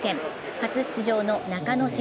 初出場の中野慎